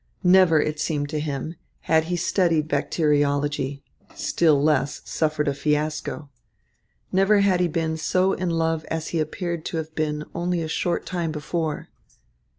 Never, it seemed to him, had he studied bacteriology, still less, suffered a fiasco. Never had he been so in love as he appeared to have been only a short time before.